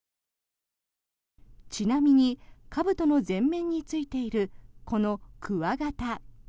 ちなみにかぶとの前面についているこのくわ形。